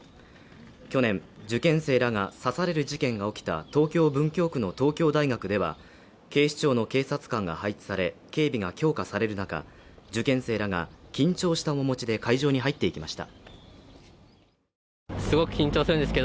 去年受験生らが刺される事件が起きた東京文京区の東京大学では警視庁の警察官が配置され警備が強化される中受験生らが緊張した面持ちで会場に入っていきました